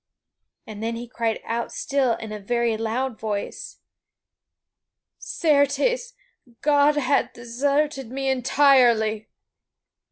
And then he cried out still in a very loud voice, "Certes, God hath deserted me entirely."